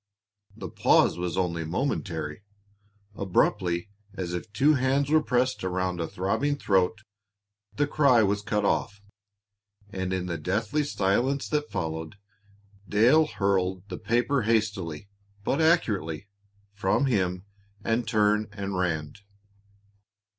The pause was only momentary. Abruptly, as if two hands were pressed around a throbbing throat, the cry was cut off, and in the deathly silence that followed, Dale hurled the paper hastily, but accurately, from him, and turned and ran.